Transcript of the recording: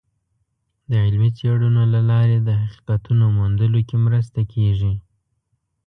د علمي څیړنو له لارې د حقیقتونو موندلو کې مرسته کیږي.